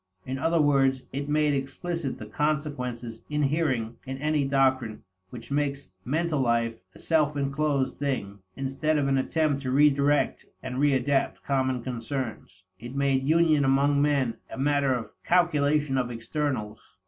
In other words, it made explicit the consequences inhering in any doctrine which makes mental life a self inclosed thing, instead of an attempt to redirect and readapt common concerns. It made union among men a matter of calculation of externals.